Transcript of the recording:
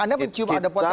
anda mencium ada potensi kan